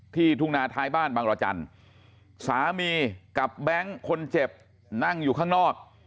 ทุ่งนาท้ายบ้านบางรจันทร์สามีกับแบงค์คนเจ็บนั่งอยู่ข้างนอก